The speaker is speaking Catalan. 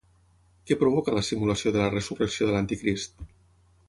Què provoca la simulació de la resurrecció de l'anticrist?